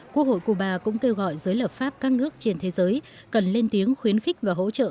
quốc hội cuba cũng kêu gọi giới lập pháp các nước trên thế giới cần lên tiếng khuyến khích và hỗ trợ